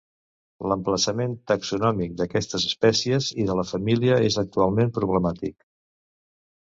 L'emplaçament taxonòmic d'aquestes espècies i de la família és actualment problemàtic.